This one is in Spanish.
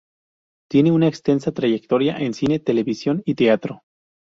Tiene una extensa trayectoria en cine, televisión y teatro.